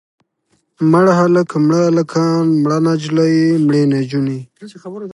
مړ هلک، مړه هلکان، مړه نجلۍ، مړې نجونې.